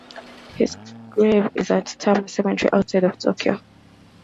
His grave is at Tama Cemetery, outside of Tokyo.